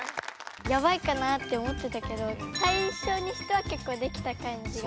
やばいかなって思ってたけど最初にしてはけっこうできた感じが。